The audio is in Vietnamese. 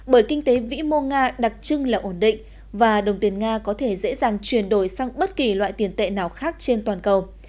bởi kinh tế vĩ mô nga đặc trưng là ổn định và đồng tiền nga có thể dễ dàng chuyển đổi sang bất kỳ loại tiền tệ nào khác trên toàn cầu